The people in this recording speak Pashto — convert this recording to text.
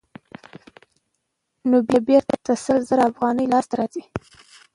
نو بېرته یې هماغه سل زره افغانۍ لاسته راځي